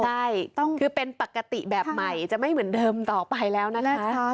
ใช่คือเป็นปกติแบบใหม่จะไม่เหมือนเดิมต่อไปแล้วนะคะ